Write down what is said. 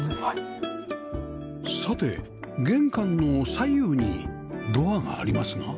さて玄関の左右にドアがありますが？